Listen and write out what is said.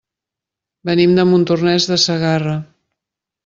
Venim de Montornès de Segarra.